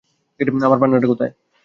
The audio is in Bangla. আমার পান্নাটা কোথায়?